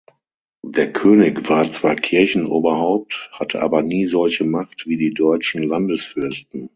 Der König war zwar Kirchenoberhaupt, hatte aber nie solche Macht wie die deutschen Landesfürsten.